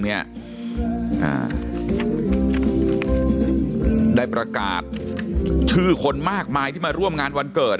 ได้ประกาศชื่อคนมากมายที่มาร่วมงานวันเกิด